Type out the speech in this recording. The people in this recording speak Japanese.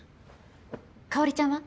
香ちゃんは？